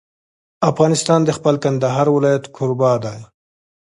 افغانستان د خپل کندهار ولایت کوربه دی.